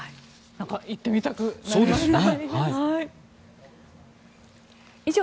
行ってみたくなりますね。